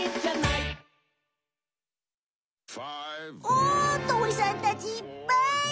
お鳥さんたちいっぱい！